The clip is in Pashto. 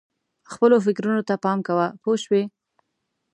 خپلو فکرونو ته پام کوه پوه شوې!.